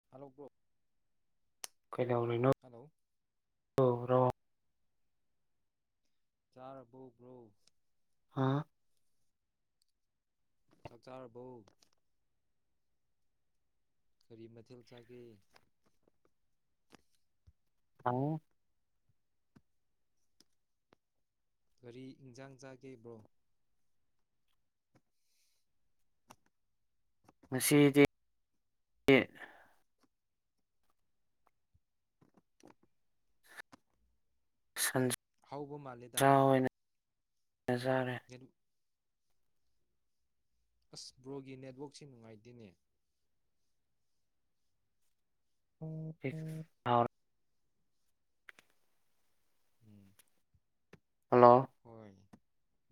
[unintelligible] ꯀꯩꯥꯗꯧꯔꯤꯅꯣ hello [unintelligible] ꯆꯥꯔꯕꯣ bro ꯍꯥ ꯆꯥꯛ ꯆꯥꯔꯕꯣ ꯀꯔꯤ ꯃꯊꯦꯜ ꯆꯥꯒꯦ [unintelligible] ꯀꯔꯤ ꯏꯟꯖꯥꯡ ꯆꯥꯒꯦ ꯕ꯭ꯔꯣ ꯉꯁꯤꯗꯤ [unintelligible] ꯁꯟ ꯍꯥꯎꯕ ꯃꯥꯜꯂꯦꯗ ꯆꯥꯑꯣꯏꯅ [unintelligible] ꯆꯥꯔꯦ [unintelligible] ꯑꯁ ꯕ꯭ꯔꯣꯒꯤ ꯅꯦꯠꯋꯥꯛꯁꯤ ꯅꯨꯡꯉꯥꯏꯇꯦꯅꯦ [unintelligible] ꯎꯝ꯫ ꯍꯜꯂꯣ ꯍꯣꯏ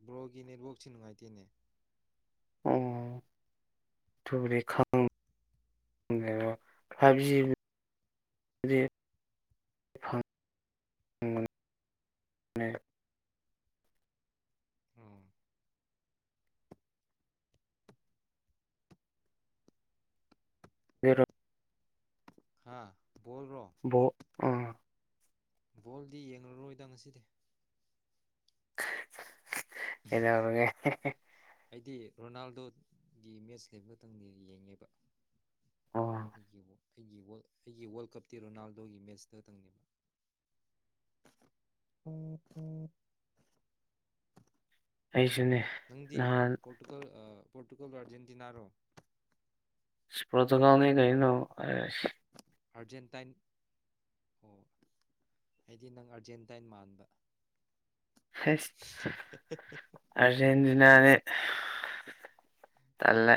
ꯕ꯭ꯔꯣꯒꯤ ꯅꯦꯠꯋꯥꯛꯁꯤ ꯅꯨꯡꯉꯥꯏꯇꯦꯅꯦ ꯑꯣ ꯑꯗꯨꯕꯨꯗꯤ ꯈꯪ [unintelligible] ꯐꯪꯕꯅꯦ ꯎꯝ [unintelligible] ꯍꯥꯥ ꯕꯣꯜꯔꯣ ꯕꯣ ꯕꯣꯜꯗꯤ ꯌꯦꯡꯉꯔꯣꯏꯗ ꯉꯁꯤꯗꯤ ꯀꯩꯗꯧꯔꯒꯦ ꯍꯦ ꯍꯦ ꯑꯩꯗꯤ ꯔꯣꯅꯥꯜꯗꯣꯒꯤ ꯃꯦꯠꯁ ꯂꯩꯕ ꯈꯇꯪꯗ ꯌꯦꯡꯉꯦꯕ ꯑꯣ [unintelligible] ꯑꯩꯒꯤ ꯋꯥꯔꯜ ꯑꯩꯒꯤ ꯋꯥꯔꯜ ꯀꯞꯇꯤ ꯔꯣꯅꯥꯜꯗꯣꯒꯤ ꯃꯦꯠꯆꯇ ꯇꯪꯅꯦꯕ [unintelligible] ꯑꯩꯁꯨꯅꯦ ꯅꯪꯗꯤ ꯅꯍꯥꯟ ꯄꯣꯔꯇꯨꯒꯜ ꯑ ꯄꯣꯔꯇꯨꯒꯜꯂꯣ ꯑꯥꯔꯖꯦꯟꯇꯤꯅꯥꯔꯣ ꯑꯁ ꯄꯣꯇ꯭ꯔꯨꯒꯜꯅꯤ ꯀꯩꯅꯣ ꯑꯁ ꯑꯥꯔꯖꯦꯟꯇꯥꯏꯟ ꯑꯣ ꯑꯩꯗꯤ ꯅꯪ ꯑꯥꯔꯖꯦꯟꯇꯥꯏꯟ ꯃꯥꯟꯕ [unintelligible] [unintelligible] ꯑꯔꯖꯦꯟꯇꯤꯅꯥꯅꯤ ꯇꯜꯂꯦ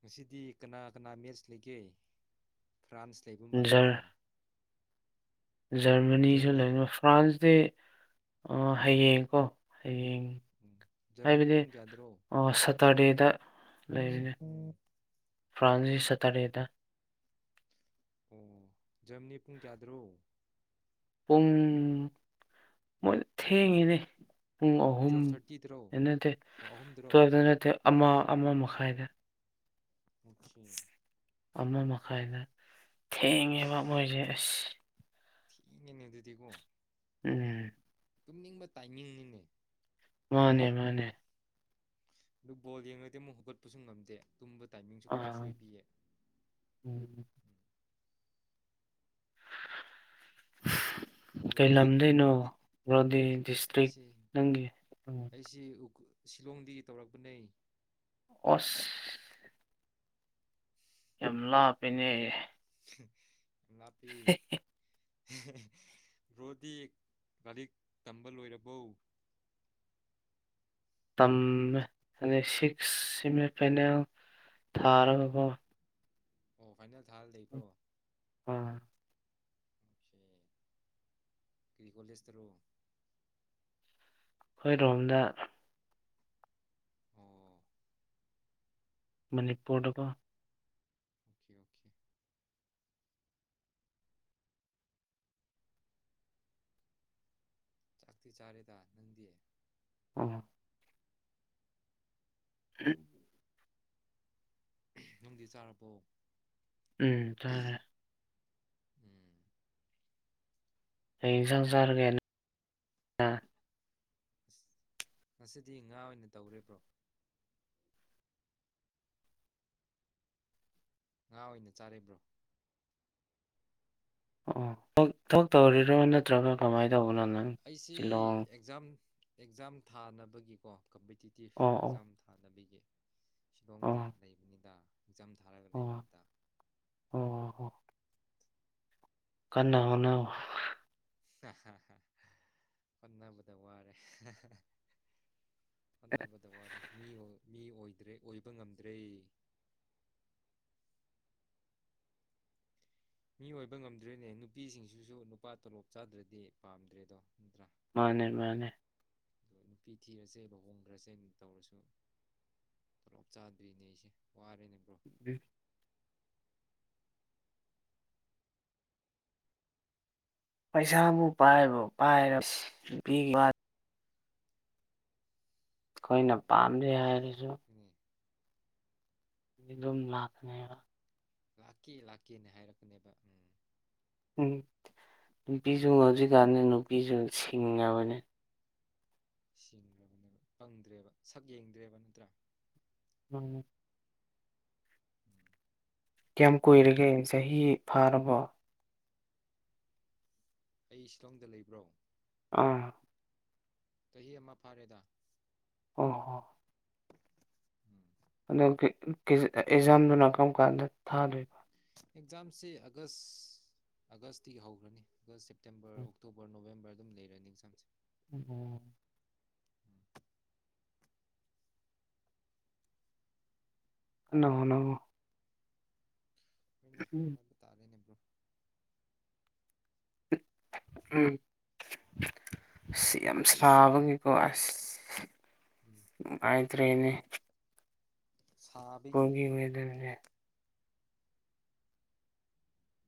ꯉꯁꯤꯗꯤ ꯀꯅꯥ ꯀꯅꯥ ꯃꯦꯠꯆ ꯂꯩꯒꯦ ꯐ꯭ꯔꯥꯟꯁ ꯂꯩꯕ ꯃꯥꯜꯂꯦꯗ ꯖꯔꯃꯅꯤꯖꯨ ꯖꯔꯃꯅꯤ ꯂꯩꯕꯥ ꯐ꯭ꯔꯥꯟꯁꯇꯤ ꯍꯌꯦꯡꯀꯣ ꯍꯌꯦꯡ ꯖꯔꯃꯅꯤ ꯍꯥꯏꯕꯗꯤ ꯄꯨꯡ ꯀꯌꯥꯗ꯭ꯔꯣ ꯑꯣ ꯁꯇꯔꯗꯦꯗ ꯂꯩꯕꯅꯦ ꯐ꯭ꯔꯥꯟꯁꯒꯤ ꯁꯇꯔꯗꯦꯗꯥ ꯑꯣ ꯖꯔꯝꯅꯤ ꯄꯨꯡ ꯀꯌꯥꯗ꯭ꯔꯣ ꯄꯨꯡ ꯃꯣꯏꯅ ꯊꯦꯡꯉꯤꯅꯦ ꯄꯨꯡ ꯑꯍꯨꯝ ꯇꯨꯌꯦꯜꯐ ꯊꯥꯔꯇꯤꯗꯔꯣ ꯍꯥꯏ ꯅꯠꯇꯦ ꯑꯣ ꯑꯍꯨꯝꯗꯔꯣ ꯇꯨꯋꯜꯇ ꯅꯠꯇꯦ ꯑꯃꯥ ꯑꯃꯥ ꯃꯈꯥꯏꯗ [unintelligible] ꯑꯃꯥ ꯃꯈꯥꯏꯗ ꯊꯦꯡꯉꯦꯕ ꯃꯣꯏꯖ‌ꯦ ꯑꯁ ꯊ‌ꯦꯡꯉꯤꯅ‌ꯦ ꯑꯗꯨꯗꯤꯀꯣ ꯎꯝ ꯇꯨꯝꯅꯤꯡꯕ ꯇꯥꯏꯃꯤꯡꯅꯤꯅꯦ ꯃꯥꯅꯦ ꯃꯥꯅꯦ ꯑꯗꯨ ꯕꯣꯜ ꯌꯦꯡꯉꯗꯤ ꯑꯃꯨꯛ ꯍꯧꯒꯠꯄꯁꯨ ꯉꯝꯗꯦ ꯇꯨꯝꯕ ꯇꯥꯏꯃꯤꯡꯁꯨ ꯄꯨꯔꯥ ꯑꯥ ꯁꯣꯏꯕꯤꯌꯦ ꯎꯝ ꯀꯩ ꯕ꯭ꯔꯣꯗꯤ ꯂꯝꯗꯩꯅꯣ ꯕ꯭ꯔꯣꯗꯤ ꯕ꯭ꯔꯣꯗꯤ ꯗꯤꯁꯇ꯭ꯔꯤꯛ ꯑꯩꯁꯦ ꯅꯪꯒꯤ ꯎꯝ ꯑꯩꯁꯦ ꯎꯈꯨꯜ ꯁꯤꯂꯣꯡꯗꯒꯤ ꯇꯧꯔꯛꯄꯅ‌ꯦ ꯑꯣꯁ ꯌꯥꯝ ꯂꯥꯞꯄ‌ꯦꯅꯦ ꯂꯥꯞꯄ‌ꯦ ꯕ꯭ꯔꯣꯗꯤ ꯂꯥꯏꯔꯤꯛ ꯇꯝꯕꯥ ꯂꯣꯏꯔꯕꯣ ꯇꯝꯃꯦ ꯑꯗꯩ ꯁꯤꯛꯁ ꯁ‌ꯦꯃꯤ ꯐꯥꯏꯅꯦꯜ ꯊꯥꯔꯒꯀꯣ ꯑꯣ ꯐꯥꯏꯅꯦꯜ ꯊꯥꯔ ꯂꯩꯕ꯭ꯔꯣ ꯑꯥ ꯑꯣꯈ‌ꯦ ꯀꯔꯤ ꯀꯣꯂ‌ꯦꯁꯇꯔꯣ ꯈꯣꯏꯔꯣꯝꯗꯥ ꯑꯣ ꯃꯅꯤꯄꯨꯔ ꯗꯥꯀ‌ꯣ ꯑꯣꯈ‌ꯦ ꯑꯣꯈ‌ꯦ ꯆꯥꯛꯇꯤ ꯆꯥꯔꯦꯗꯥ ꯅꯪꯗꯤ ꯎꯝ [unintelligible] ꯅꯪꯡꯗꯤ ꯆꯔꯥꯕꯣ ꯎꯝ ꯆꯔꯦ ꯎꯝ ꯀꯩ ꯏꯟꯖꯥꯡ ꯆꯥꯔꯒ‌ꯦ ꯉꯁꯤꯗꯤ ꯉꯥ ꯑꯣꯏꯅ ꯇꯧꯔ‌ꯦ ꯕ꯭ꯔꯣ ꯉꯥ ꯑꯣꯏꯅ ꯆꯥꯔ‌ꯦ ꯕ꯭ꯔꯣ ꯑꯣ ꯊ‌ꯣꯛ ꯊꯣꯛꯇꯧꯔꯤꯔꯣ ꯅꯠꯇ꯭ꯔꯒ ꯀꯃꯥꯏ ꯇꯧꯕꯅꯣ ꯅꯪ ꯑꯩꯁꯤ ꯁꯤꯂꯣꯡ ꯑꯦꯛꯖꯥꯝ ꯑꯦꯛꯖꯥꯝ ꯊꯥꯅꯕꯒꯤꯀꯣ ꯀꯝꯄꯤꯇꯤꯇꯤꯐ ꯑꯣ ꯑꯣ ꯑꯦꯛꯖꯥꯝ ꯊꯥꯅꯕꯤꯒꯤ ꯁꯤꯂꯣꯡꯗ ꯑꯣ ꯂꯩꯕꯅꯤꯗ ꯑꯦꯛꯆꯝ ꯊꯥꯔꯒ ꯑꯣ ꯂꯩꯕꯅꯤꯗ ꯑꯣ ꯍ‌ꯣ ꯀꯟꯅꯥ ꯍ‌ꯣꯅꯧ ꯍꯣꯠꯅꯕꯗ ꯋꯥꯔꯦ ꯍ‌ꯣꯠꯅꯕꯗ ꯋꯥꯔ‌ꯦ ꯃꯤꯑ‌ꯣꯏ ꯃꯤꯑꯣꯏꯗ꯭ꯔꯦ ꯑꯣꯏꯕ ꯉꯝꯗ꯭ꯔꯦ ꯃꯤ ꯑꯣꯏꯕ ꯉꯝꯗ꯭ꯔꯦꯅꯦ ꯅꯨꯄꯤꯁꯤꯡꯁꯤꯁꯨ ꯅꯨꯄꯥ ꯇꯣꯂꯣꯞ ꯆꯥꯗ꯭ꯔꯗꯤ ꯄꯥꯝꯗ꯭ꯔꯦꯗꯣ ꯅꯠꯇ꯭ꯔꯥ ꯃꯥꯅꯦ ꯃꯥꯅꯦ ꯑꯗꯨꯒ ꯅꯨꯄꯤ ꯊꯤꯔꯁꯦ ꯂꯨꯍꯣꯡꯈ꯭ꯔꯁꯦ [unintelligible] ꯇꯧꯔꯁꯨ ꯇꯣꯂꯣꯞ ꯆꯥꯗ꯭ꯔꯤꯅꯦ ꯑꯩꯁꯦ ꯋꯥꯔꯦꯅꯦ ꯕ꯭ꯔꯣ [unintelligible] ꯄꯩꯁꯥꯃꯨꯛ ꯄꯥꯏꯕ ꯄꯥꯏꯔ ꯅꯨꯒꯤ [unintelligible] ꯑꯩꯈꯣꯏꯅ ꯎꯝ ꯄꯥꯝꯗꯦ ꯍꯥꯏꯔꯁꯨ [unintelligible] ꯑꯗꯨꯝ ꯂꯥꯛꯀꯅꯦꯕ ꯂꯥꯛꯀꯦ ꯂꯥꯛꯀꯦꯅꯦ ꯍꯥꯏꯔꯛꯄꯅꯦꯕ ꯎꯝ ꯎꯝ ꯅꯨꯄꯤꯁꯨ ꯍꯧꯖꯤꯛꯀꯥꯟꯗꯤ ꯅꯨꯄꯤꯁꯨ ꯁꯤꯡꯉꯉꯕꯅꯦ ꯁꯤꯡꯈ꯭ꯔꯕꯅꯦꯕ ꯄꯪꯗ꯭ꯔꯦꯕ ꯁꯛ ꯌꯦꯡꯗ꯭ꯔꯦꯕ ꯅꯠꯇ꯭ꯔꯥ ꯎꯝ ꯎꯝ ꯀꯌꯥꯝ ꯀꯨꯏꯔꯒꯦ ꯆꯍꯤ ꯐꯥꯔꯕꯣ ꯑꯩ ꯁꯤꯂꯣꯡꯗ ꯂꯩꯕ꯭ꯔꯣ ꯑꯥ ꯆꯍꯤ ꯑꯃ ꯐꯥꯔꯦꯗ ꯑꯣ ꯍꯣ ꯎꯝ ꯑꯗꯨ [unintelligible] ꯑꯦꯖꯥꯝꯗꯨꯅ ꯀꯔꯝ ꯀꯥꯟꯗ ꯊꯥꯗꯣꯏꯅꯣ ꯑꯦꯛꯖꯥꯝꯁꯦ ꯑꯥꯒꯁ ꯑꯥꯒꯁꯇꯒꯤ ꯍꯧꯈ꯭ꯔꯅꯤ ꯑꯥꯒꯁꯁꯦ ꯁꯦꯞꯇꯦꯝꯕꯔ ꯑꯣꯛꯇꯣꯕꯔ ꯅꯣꯕꯦꯝꯕꯔ ꯑꯗꯨꯝ ꯂꯩꯔꯅꯤ ꯑꯦꯛꯖꯥꯝꯁꯦ [unintelligible] ꯎꯝ ꯀꯟꯅ ꯍꯣꯠꯅꯧꯋꯣ ꯍꯣꯏꯅꯦ ꯍꯣꯠꯅꯕ ꯇꯥꯔꯦꯅꯦ ꯕ꯭ꯔꯣ ꯎꯝ ꯁꯤ ꯌꯥꯝ ꯁꯥꯕꯒꯤꯀꯣ ꯑꯁ ꯎꯝ ꯅꯨꯉꯥꯏꯇ꯭ꯔꯦꯅꯦ ꯁꯥꯕꯒꯤ [unintelligible]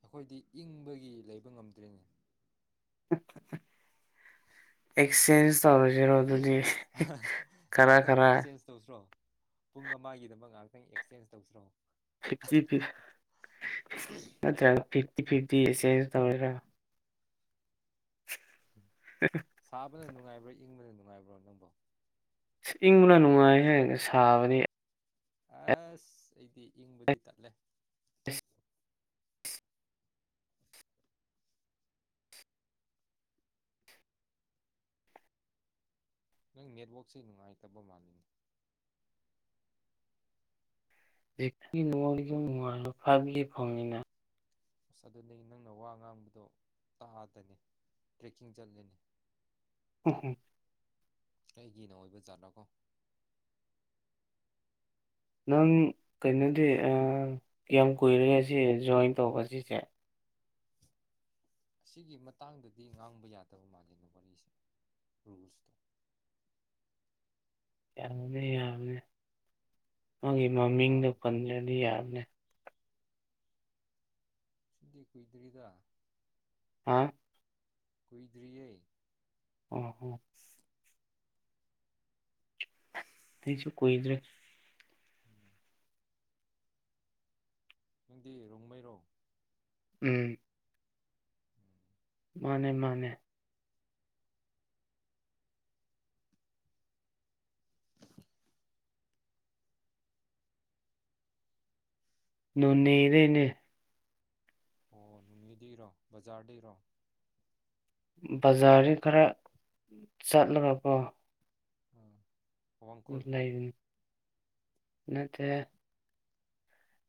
ꯑꯩꯈꯣꯏꯗꯤ ꯏꯪꯕꯒꯤ ꯂꯩꯕ ꯉꯝꯗ꯭ꯔꯦꯅꯦ [unintelligible] ꯑꯦꯛꯆꯦꯟꯁ ꯇꯧꯔꯁꯤꯔꯣ ꯑꯗꯨꯗꯤ ꯈꯔ ꯈꯔ ꯇꯧꯁꯤꯔꯣ ꯄꯨꯡ ꯑꯃꯒꯤꯗꯃꯛ ꯉꯥꯏꯍꯥꯛꯇꯪ ꯑꯦꯛꯆꯦꯟꯖ ꯇꯧꯁꯤꯔꯣ ꯐꯤꯐꯇꯤ ꯐꯤ ꯅꯠꯇ꯭ꯔꯒ ꯐꯤꯐꯇꯤ ꯐꯤꯐꯇꯤ ꯑꯦꯛꯆꯦꯟꯖ ꯇꯧꯔꯁꯤꯔꯣ [unintelligible] [unintelligible] ꯁꯥꯕꯅ ꯅꯨꯡꯉꯥꯏꯕ꯭ꯔꯣ ꯏꯪꯕꯅ ꯅꯨꯡꯉꯥꯏꯕ꯭ꯔꯣ ꯅꯪꯕꯣ ꯑꯁ ꯏꯪꯕꯅ ꯅꯨꯡꯉꯥꯏ ꯍꯦ ꯁꯥꯕꯗꯤ ꯑꯁ ꯑꯩꯗꯤ ꯏꯪꯕꯗꯤ ꯇꯟꯂꯦ ꯅꯪ ꯅꯦꯠꯋꯥꯛꯁꯦ ꯅꯨꯡꯉꯥꯏꯇꯕ ꯃꯥꯜꯂꯤꯅꯦ ꯍꯧꯖꯤꯛꯒꯤ [unintelligible] ꯐꯪꯉꯤꯅ ꯑꯁ ꯑꯗꯨꯅꯦ ꯅꯪꯅ ꯋꯥ ꯉꯥꯡꯕꯗꯣ ꯇꯥꯗꯅꯦ ꯇ꯭ꯔꯦꯛꯀꯤꯡ ꯆꯠꯂꯦꯅꯦ [unintelligible] ꯀꯩꯒꯤꯅ ꯑꯣꯏꯕ ꯖꯥꯠꯂꯥꯀꯣ ꯅꯪ ꯀꯩꯅꯣꯗꯤ ꯑ ꯀ꯭ꯌꯥꯝ ꯀꯨꯏꯔꯦ ꯁꯤ ꯖꯣꯏꯟ ꯇꯧꯕ ꯁꯤꯁꯦ ꯑꯁꯤꯒꯤ ꯃꯇꯥꯡꯗꯗꯤ ꯉꯥꯡꯕ ꯌꯥꯗꯕ ꯃꯥꯜꯂꯤꯅꯦ ꯋꯥꯔꯤꯁꯦ ꯔꯨꯜꯁꯇꯣ ꯌꯥꯕꯅꯤ ꯌꯥꯕꯅꯤ ꯃꯥꯒꯤ ꯃꯃꯤꯡꯗꯣ ꯌꯥꯕ ꯄꯟꯗ꯭ꯔꯗꯤ ꯌꯥꯕꯅꯤ ꯁꯤꯗꯤ ꯀꯨꯏꯗ꯭ꯔꯤꯗ ꯍꯥꯥ ꯀꯨꯏꯗ꯭ꯔꯤꯌꯦ ꯑꯣ ꯍꯣ ꯑꯩꯁꯨ ꯀꯨꯏꯗ꯭ꯔꯤ ꯎꯝ ꯅꯪꯗꯤ ꯔꯣꯡꯃꯩꯔꯣ ꯎꯝ ꯃꯥꯅꯦ ꯃꯥꯅꯦ [inaudible] ꯅꯣꯅꯦꯗꯩꯅꯦ ꯑꯣ ꯅꯣꯅꯦꯗꯩꯔꯣ ꯕꯖꯥꯔꯗꯩꯔꯣ ꯕꯖꯥꯔꯗꯩ ꯈꯔ ꯆꯠꯂꯒ ꯀꯣ ꯑ ꯂꯩꯔꯤꯅꯤ ꯅꯠꯇꯦ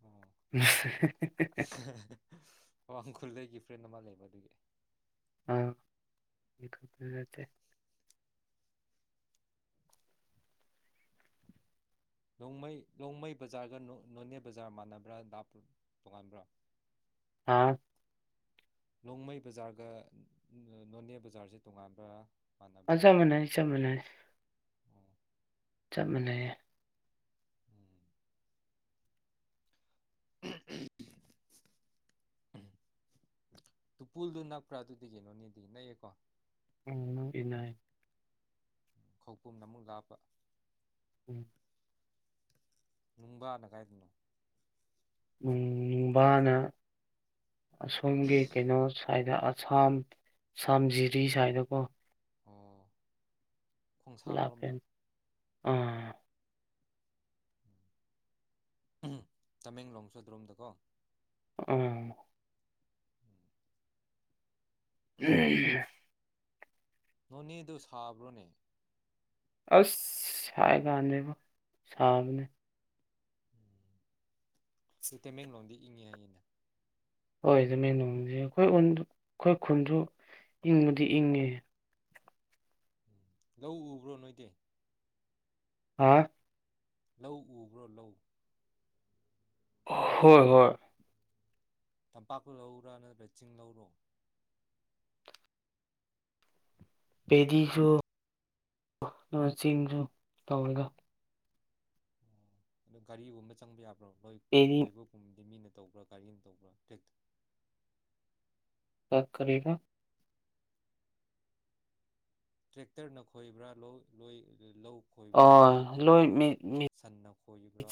ꯑꯣ [unintelligible] ꯃꯋꯥꯡꯈꯨꯜꯗꯒꯤ ꯐ꯭ꯔꯦꯟ ꯑꯃ ꯂꯩꯕ ꯑꯗꯨꯒꯤ ꯑ [unintelligible] ꯔꯣꯡꯃꯩ ꯔꯣꯡꯃꯩ ꯕꯖꯥꯔꯒ ꯅꯣꯅꯦ ꯕꯖꯥꯔ ꯃꯥꯟꯅꯕ꯭ꯔꯥ ꯂꯥꯞꯄ꯭ꯔ ꯇꯣꯉꯥꯟꯕ꯭ꯔꯥ ꯍꯥ ꯔꯣꯡꯃꯩ ꯕꯖꯥꯔꯒ ꯅꯣꯅꯦ ꯕꯖꯥꯔꯁꯦ ꯇꯣꯉꯥꯟꯕ꯭ꯔ ꯑ ꯆꯞ ꯃꯥꯅꯩ ꯆꯞ ꯃꯥꯅꯩ ꯑꯣ ꯆꯞ ꯃꯥꯟꯅꯩꯌꯦ ꯎꯝ [inaudible] ꯇꯨꯄꯨꯜꯗꯨ ꯅꯛꯄ꯭ꯔꯥ ꯑꯗꯨꯗꯒꯤ ꯅꯣꯅꯦꯗꯤ ꯅꯛꯑꯦꯀꯣ ꯎꯝ [unintelligible] ꯈꯧꯄꯨꯝꯅ ꯑꯃꯨꯛ ꯂꯥꯞꯄ ꯎꯝ ꯅꯨꯡꯕꯥꯅ ꯀꯥꯏꯗꯅꯣ ꯅꯨꯡ ꯅꯨꯡꯕꯥꯅ ꯑꯁꯣꯝꯒꯤ ꯀꯩꯅꯣ ꯁ꯭ꯋꯥꯏꯗ ꯑꯁꯥꯝ ꯑꯁꯥꯝ ꯖꯤꯔꯤ ꯁ꯭ꯋꯥꯏꯗꯀꯣ ꯑꯣ ꯂꯥꯞꯄꯦ ꯈꯣꯡꯁꯥꯡꯔꯣꯝꯗ ꯑꯥ ꯎꯝ ꯇꯃꯦꯡꯂꯣꯡꯁꯨ ꯑꯗꯨꯔꯣꯝꯗꯀꯣ ꯑꯥ [inaudible] [unintelligible] ꯅꯣꯅꯦꯗꯨ ꯁꯥꯕ꯭ꯔꯣꯅꯦ ꯑꯁ ꯍꯥꯏ ꯀꯥꯟꯗꯦꯗ ꯁꯥꯕꯅ ꯎꯝ ꯑꯗꯨ ꯃꯩꯇꯩ ꯃꯌꯦꯛꯂꯣꯡꯗ ꯏꯅꯤ ꯍꯥꯢꯌꯦꯅꯦ ꯍꯣꯏ ꯑꯗꯨꯅꯦ ꯅꯣꯡꯁꯦ ꯑꯩꯈꯣꯏ ꯈꯨꯟꯗꯨ ꯑꯩꯈꯣꯏ ꯈꯨꯟꯗꯨ ꯏꯪꯕꯗꯤ ꯏꯪꯉꯦ ꯎꯝ ꯂꯧ ꯎꯕ꯭ꯔꯣ ꯅꯣꯏꯗꯤ ꯑꯥ ꯂꯧ ꯎꯕ꯭ꯔꯣ ꯂꯧ ꯍꯣꯏ ꯍꯣꯏ ꯇꯝꯄꯥꯛ ꯂꯧꯔꯥ ꯅꯠꯇ꯭ꯔꯒ ꯆꯤꯡ ꯂꯧꯔꯣ ꯄꯦꯗꯤꯁꯨ ꯆꯤꯡꯁꯨ ꯇꯧꯔꯒ ꯎꯑꯗꯨ ꯒꯥꯔꯤꯒꯨꯝꯕ ꯆꯪꯕ ꯌꯥꯕ꯭ꯔꯣ ꯅꯣꯏ ꯄꯦꯗꯤ ꯈꯣꯏꯕ ꯈꯨꯟꯒꯤ ꯃꯤꯅ ꯇꯧꯕ꯭ꯔꯥ ꯒꯥꯔꯤꯅ ꯇꯧꯕ꯭ꯔꯥ ꯇ꯭ꯔꯦꯛ ꯑꯥ ꯀꯔꯤꯕ ꯇ꯭ꯔꯦꯛꯇ꯭ꯔꯅ ꯈꯣꯏꯕ꯭ꯔꯥ ꯂꯧ ꯂꯣꯏ ꯂꯧ ꯈꯣꯏꯕꯗꯤ ꯃꯤꯅ ꯑꯣ ꯂꯣꯏ ꯈꯣꯏꯕ꯭ꯔꯥ ꯃꯦꯆꯤꯟꯅ ꯁꯥꯟꯅ ꯈꯣꯏꯕ꯭ꯔꯥ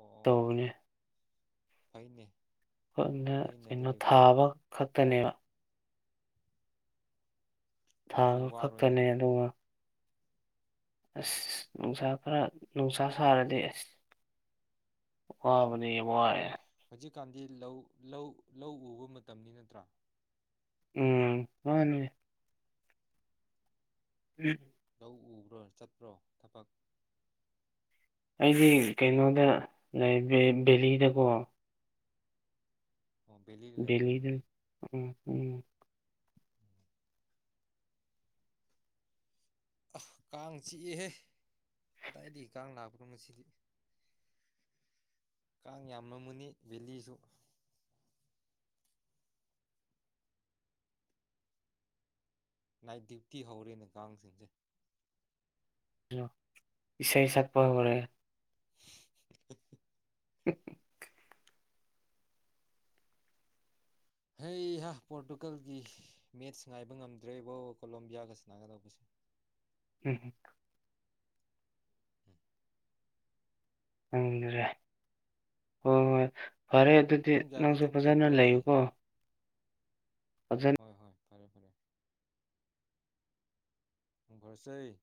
ꯑꯣ ꯇꯧꯕꯅꯦ ꯐꯩꯅꯦ ꯑꯩꯈꯣꯏꯅ ꯐꯩꯅꯦ ꯀꯩꯅꯣ ꯑꯗꯨꯗꯤꯀꯣ ꯊꯥꯕ ꯈꯛꯇꯅꯦꯕ ꯊꯥ ꯑꯗꯨꯗꯤ ꯋꯥꯔꯣꯏꯅꯦ ꯈꯛꯇꯅꯦ ꯑꯗꯨꯒ ꯎꯝ ꯑꯁ ꯅꯨꯡꯁꯥ ꯈꯔ ꯅꯨꯡꯁꯥ ꯑꯣꯀꯦ ꯑꯣꯀꯦ ꯁꯥꯔꯗꯤ ꯑꯁ ꯋꯥꯕꯗꯤ ꯋꯥꯔꯦ ꯍꯧꯖꯤꯛꯀꯥꯟꯗꯤ ꯂꯧ ꯂꯧ ꯂꯧ ꯎꯕ ꯃꯇꯝꯅꯤ ꯅꯠꯇ꯭ꯔꯥ ꯎꯝ ꯃꯥꯅꯤ ꯎꯝ ꯂꯧ ꯎꯕ꯭ꯔꯣ ꯆꯠꯄ꯭ꯔꯣ ꯊꯕꯛ ꯑꯩꯗꯤ ꯀꯩꯅꯣꯗ ꯕꯦꯂꯤꯗꯀꯣ ꯑꯣ ꯕꯦꯂꯤꯗ ꯂꯩꯕ꯭ꯔꯥ ꯅꯪꯗꯤ ꯕꯦꯂꯤꯗ ꯎꯝ ꯎꯝ ꯑ ꯀꯥꯡ ꯆꯤꯛꯌꯦꯍꯦ ꯀꯗꯥꯏꯗꯒꯤ ꯀꯥꯡ ꯂꯥꯛꯄꯅꯣ ꯁꯤ ꯀꯥꯡ ꯌꯥꯝꯂꯝꯒꯅꯤ ꯕꯦꯂꯤꯁꯨ ꯅꯥꯏꯠ ꯗ꯭ꯌꯨꯇꯤ ꯍꯧꯔꯦꯅꯦ ꯊꯥꯡꯁꯤꯡꯁꯦ ꯑꯝ ꯢꯁꯩ ꯁꯥꯛꯄ ꯍꯧꯔꯦ [unintelligible] ꯑꯦ [unintelligible] ꯍꯩꯍ ꯄꯣꯔꯇꯨꯒꯜꯒꯤ ꯃꯦꯠꯁ ꯉꯥꯏꯕ ꯉꯝꯗ꯭ꯔꯦꯕꯣ ꯀꯣꯂꯣꯝꯕꯤꯌꯥꯒ ꯁꯥꯟꯅꯒꯗꯧꯕꯁꯦ ꯎꯝ ꯎꯝ ꯎꯝ ꯑꯝ ꯍꯣꯏ ꯍꯣꯏ ꯐꯔꯦ ꯑꯗꯨꯗꯤ ꯄꯨꯡ ꯀꯌꯥꯗ ꯅꯪꯁꯨ ꯇꯨꯝꯒꯦ ꯐꯖꯅ ꯕ꯭ꯔꯣꯗꯤ ꯂꯩꯌꯨꯀꯣ ꯑꯗꯨ [unintelligible] ꯍꯣꯏ ꯍꯣꯏ ꯐꯔꯦ ꯐꯔꯦ ꯃꯪ ꯐꯔꯁꯦ